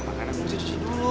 makanya aku harus cuci dulu